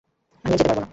আমি আর যেতে পারব না।